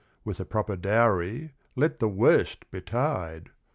With the proper dowry, let the worst betide !